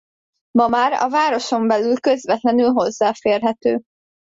Ma már a városon belül közvetlenül hozzáférhető.